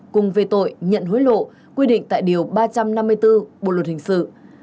cùng về tội nhận hối lộ quy định tại điều ba trăm năm mươi bốn bộ luật hình sự